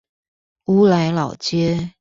烏來老街